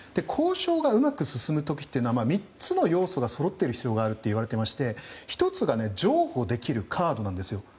交渉がうまく進む時というのは３つの要素がそろっている必要があるといわれていまして１つが譲歩できるカードなんですよ。